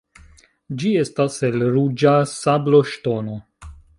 Ĝi estas el ruĝa sabloŝtono.